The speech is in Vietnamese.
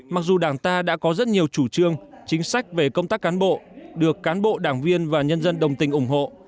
mặc dù đảng ta đã có rất nhiều chủ trương chính sách về công tác cán bộ được cán bộ đảng viên và nhân dân đồng tình ủng hộ